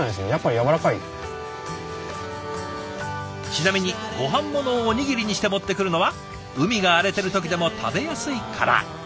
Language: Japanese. ちなみにごはんものをおにぎりにして持ってくるのは海が荒れてる時でも食べやすいから。